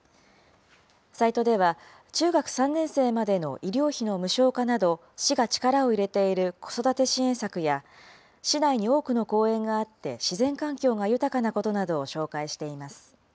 サイトでは、中学３年生までの医療費の無償化など、市が力を入れている子育て支援策や、市内に多くの公園があって自然環境が豊かなことなどを紹介しています。